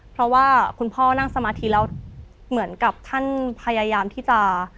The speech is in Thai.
เพราะว่าคุณพ่อนั่งสมาธิแล้วเหมือนกับท่านพยายามที่จะ